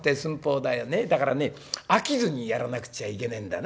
だからね飽きずにやらなくちゃいけねえんだな。